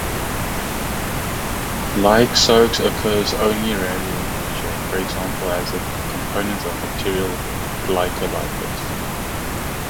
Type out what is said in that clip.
Lyxose occurs only rarely in nature, for example, as a component of bacterial glycolipids.